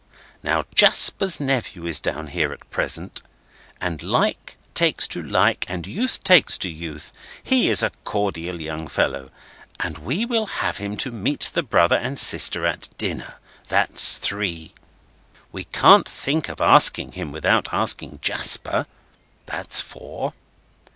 Now, Jasper's nephew is down here at present; and like takes to like, and youth takes to youth. He is a cordial young fellow, and we will have him to meet the brother and sister at dinner. That's three. We can't think of asking him, without asking Jasper. That's four.